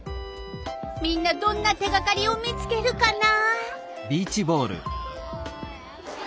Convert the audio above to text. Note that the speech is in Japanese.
みんなどんな手がかりを見つけるかな？